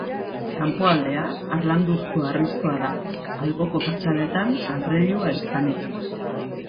Kanpoaldea harlanduzko harrizkoa da, alboko fatxadetan adreilua izanik.